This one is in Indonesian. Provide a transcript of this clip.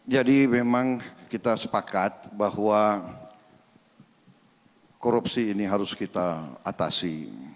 jadi memang kita sepakat bahwa korupsi ini harus kita atasi